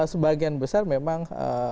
sebagian besar memang